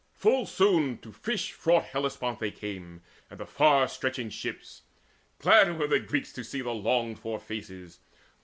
Full soon to fish fraught Hellespont they came And the far stretching ships. Glad were the Greeks To see the longed for faces.